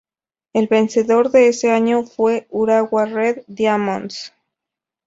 El vencedor de ese año fue Urawa Red Diamonds.